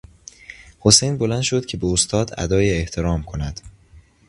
حسین بلند شد که به استاد ادای احترام کند.